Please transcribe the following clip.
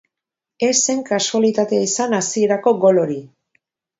Ez zen kasualitatea izan hasierako gol hori.